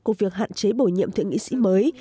của việc hạn chế bổ nhiệm thượng nghị sĩ mới